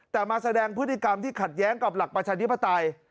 แต่มาแสดงพฤติกรรมที่ขัดแย้งกับหลักประชาธิปไตย